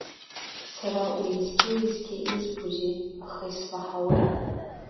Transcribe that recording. Сара уеизгьы-уеизгьы избозеи, аха исмаҳауеи.